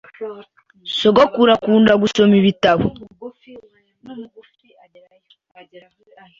Sogokuru akunda gusoma ibitabo.